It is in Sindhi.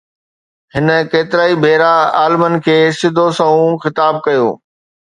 هن ڪيترائي ڀيرا عالمن کي سڌو سنئون خطاب ڪيو.